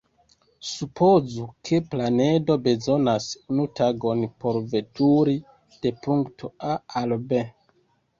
Supozu, ke planedo bezonas unu tagon por veturi de punkto "A" al "B".